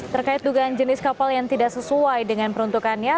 terkait dugaan jenis kapal yang tidak sesuai dengan peruntukannya